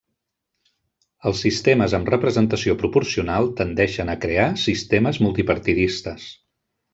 Els sistemes amb representació proporcional tendeixen a crear sistemes multipartidistes.